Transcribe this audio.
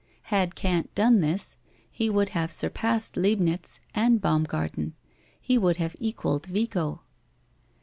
Had Kant done this, he would have surpassed Leibnitz and Baumgarten; he would have equalled Vico.